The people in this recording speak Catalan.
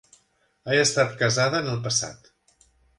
Ha estat casada en el passat.